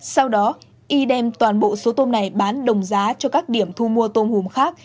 sau đó y đem toàn bộ số tôm này bán đồng giá cho các điểm thu mua tôm hùm khác